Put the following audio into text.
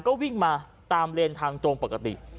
ก็วิ่งมาตามเลนทางตรงปกติ